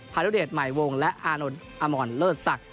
ภารุเดชใหม่วงและอานอลอมอนเลิศักดิ์